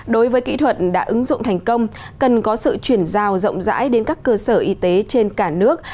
đối với kỹ thuật đã ứng dụng thành công cần có sự chuyển giao rộng rãi đến các cơ sở y tế trên cả nước